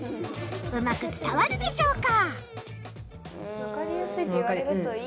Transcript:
うまく伝わるでしょうか？